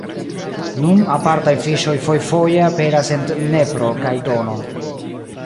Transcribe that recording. Nun apartaj fiŝoj fojfoje aperas en Dnepro kaj Dono.